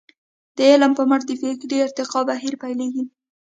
د علم په مټ د فکري ارتقاء بهير پيلېږي.